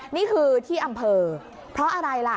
นี่คือที่อำเภอเพราะอะไรล่ะ